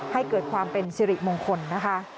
ให้เกิดความเป็นสิริมงคลนะคะ